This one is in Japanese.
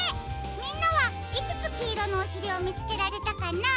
みんなはいくつきいろのおしりをみつけられたかな？